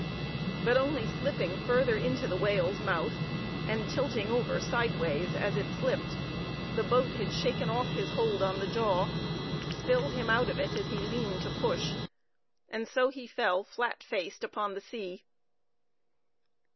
But only slipping further into the whale's mouth, and tilting over sideways as it slipped, the boat had shaken off his hold on the jaw, spilled him out of it as he leaned to push, and so he fell flat faced upon the sea.